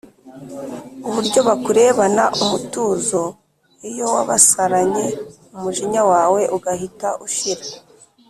Uburyo bakurebana umutuzo iyo wabasaranye umujinya wawe ugahita ushira